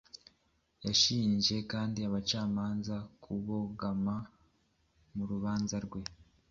Yashinje kandi abacamanza kubogama mu rubanza rwe